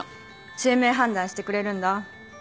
姓名判断してくれるんだ。